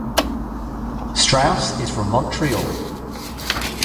Straus is from Montreal.